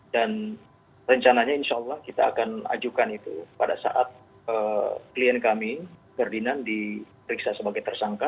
dan rencananya insya allah kita akan ajukan itu pada saat klien kami ferdinand diperiksa sebagai tersangka